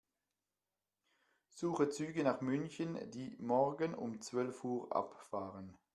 Suche Züge nach München, die morgen um zwölf Uhr abfahren.